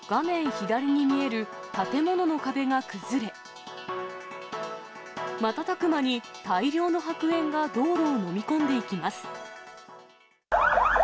左に見える建物の壁が崩れ、瞬く間に大量の白煙が道路を飲み込んでいきます。